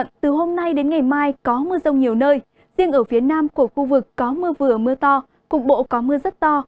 trong hôm nay và ngày mai khu vực tây nguyên có mưa vừa mưa to có nơi mưa rất to